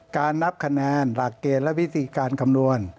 นับคะแนนหลักเกณฑ์และวิธีการคำนวณ